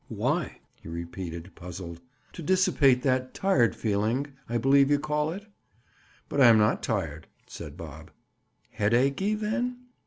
"Why?" he repeated, puzzled. "To dissipate that 'tired feeling,' I believe you call it?" "But I'm not tired," said Bob. "Headachey, then?"